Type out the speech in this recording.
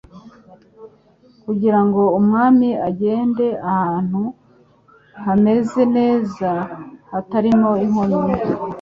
kugira ngo umwami agende ahantu hameze neza hatarimo inkomyi.